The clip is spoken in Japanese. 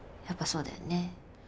やっぱそうだよね。